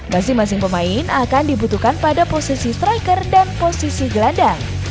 masing masing pemain akan dibutuhkan pada posisi striker dan posisi gelandang